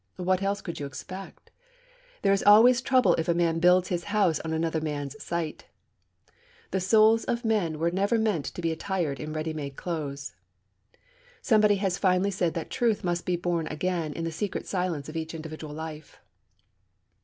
What else could you expect? There is always trouble if a man builds his house on another man's site. The souls of men were never meant to be attired in ready made clothes. Somebody has finely said that Truth must be born again in the secret silence of each individual life.